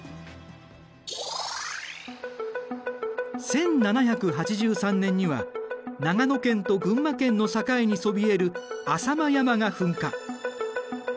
１７８３年には長野県と群馬県の境にそびえる浅間山が噴火。